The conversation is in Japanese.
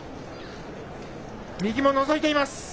右ものぞいています。